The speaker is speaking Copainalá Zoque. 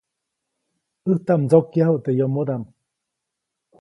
ʼÄjtaʼm ndsokyajuʼt teʼ yomodaʼm.